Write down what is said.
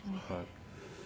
はい。